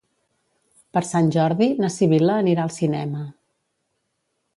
Per Sant Jordi na Sibil·la anirà al cinema.